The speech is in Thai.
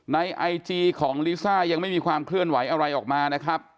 ไอจีของลิซ่ายังไม่มีความเคลื่อนไหวอะไรออกมานะครับ